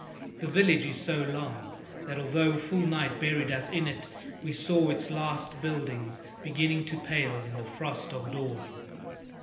The village is so long that although full night buried us in it we saw its last buildings beginning to pale in the frost of dawn.